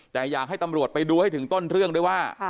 แต่อยากให้ตำรวจไปดูให้ถึงต้นเรื่องด้วยว่า